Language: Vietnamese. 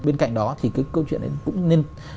bên cạnh đó thì cái câu chuyện ấy cũng nên